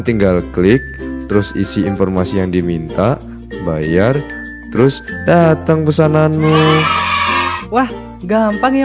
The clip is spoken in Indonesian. tinggal klik terus isi informasi yang diminta bayar terus datang pesananmu wah gampang ya